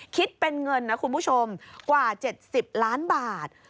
คิดเป็นเงินนะคุณผู้ชมกว่า๗๐ล้านบาท